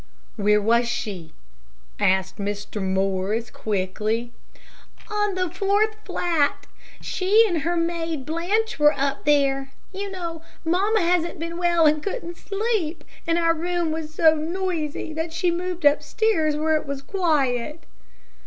"Where was she?" asked Mr. Morris, quickly. "On the fourth flat. She and her maid Blanche were up there. You know, mamma hasn't been well and couldn't sleep, and our room was so noisy that she moved upstairs where it was quiet."